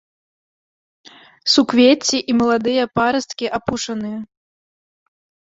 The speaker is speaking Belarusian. Суквецці і маладыя парасткі апушаныя.